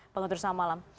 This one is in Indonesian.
pak guntur selamat malam